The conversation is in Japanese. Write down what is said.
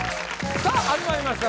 さあ始まりました